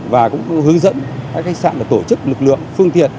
và cũng hướng dẫn các khách sạn tổ chức lực lượng phương thiện